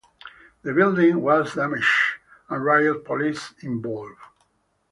The building was damaged and riot police involved.